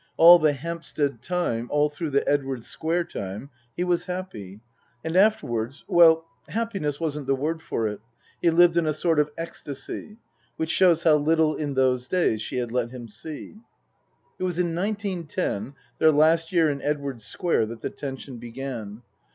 All the Hampstead time, all through the Edwardes Square time he was happy. And afterwards well happiness wasn't the word for it ; he lived in a sort of ecstasy. Which shows how little in those days she had let him see. It was in nineteen ten, their last year in Edwardes Square, that the tension began.